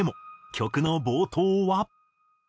曲の冒頭は。